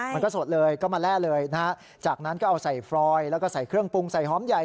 สดเลยก็มาแร่เลยนะฮะจากนั้นก็เอาใส่ฟรอยแล้วก็ใส่เครื่องปรุงใส่หอมใหญ่